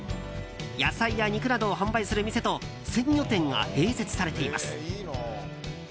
野菜や肉などを販売する店と鮮魚店が併設されています。